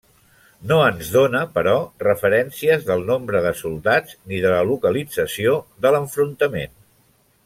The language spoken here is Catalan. No ens dóna, però, referències del nombre de soldats ni de la localització de l'enfrontament.